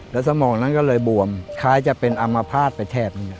แล้วสมองก็เลยบวมคล้ายเป็นอามภาพไปแถบ